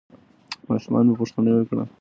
ماشومان به پوښتنې وکړي.